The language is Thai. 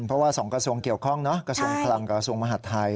เพราะว่า๒กระทรวงเกี่ยวข้องกระทรวงพลังกระทรวงมหาดไทย